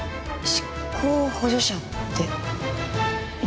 執行補助者って何？